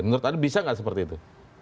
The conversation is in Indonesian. menurut anda bisa nggak seperti itu